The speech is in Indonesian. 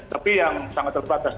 tapi yang sangat terbatas